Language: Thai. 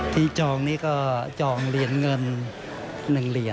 จองนี่ก็จองเหรียญเงิน๑เหรียญ